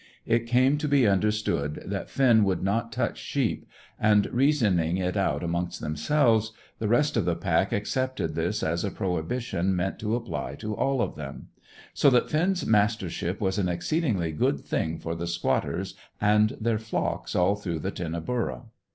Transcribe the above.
It came to be understood that Finn would not touch sheep, and, reasoning it out amongst themselves, the rest of the pack accepted this as a prohibition meant to apply to all of them; so that Finn's mastership was an exceedingly good thing for the squatters and their flocks all through the Tinnaburra.